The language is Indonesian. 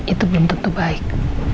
itu belum tentu baik